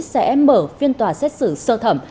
sẽ mở phiên tòa xét xử sơ thẩm